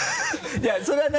いやそれは何？